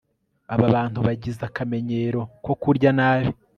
Aba bantu bagize akamenyero ko kurya nabi